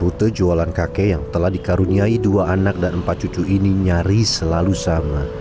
rute jualan kakek yang telah dikaruniai dua anak dan empat cucu ini nyaris selalu sama